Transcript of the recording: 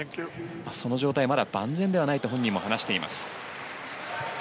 その状態はまだ万全ではないと本人も話しています。